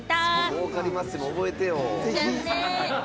もうかりまっせも覚えてよ。